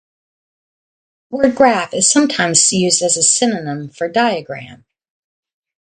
The word "graph" is sometimes used as a synonym for diagram.